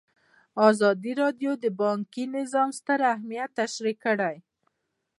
ازادي راډیو د بانکي نظام ستر اهميت تشریح کړی.